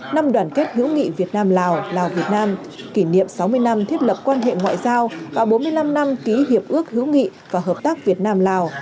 năm đoàn kết hữu nghị việt nam lào lào việt nam kỷ niệm sáu mươi năm thiết lập quan hệ ngoại giao và bốn mươi năm năm ký hiệp ước hữu nghị và hợp tác việt nam lào